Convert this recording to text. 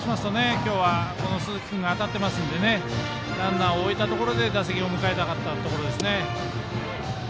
そうしますと今日は鈴木君が当たってますのでランナーを置いたところで打席を迎えたかったところです。